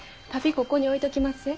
ここに置いときますえ。